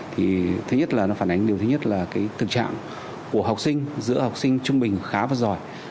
thứ nhất là nó phản ánh điều thứ nhất là tự trạng của học sinh giữa học sinh trung bình khá và giỏi